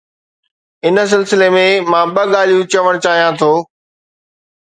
ان سلسلي ۾ مان ٻه ڳالهيون چوڻ چاهيان ٿو.